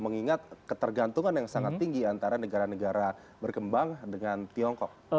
mengingat ketergantungan yang sangat tinggi antara negara negara berkembang dengan tiongkok